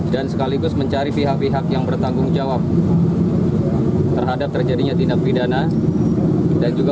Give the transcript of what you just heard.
dan sekaligus mencari pihak pihak yang bertanggung jawab terhadap terjadinya tindak pidana dan juga